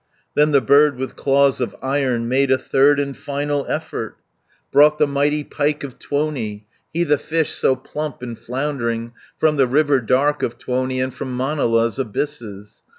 Then the bird with claws of iron Made a third and final effort, 280 Brought the mighty pike of Tuoni, He the fish so plump and floundering, From the river dark of Tuoni, And from Manala's abysses.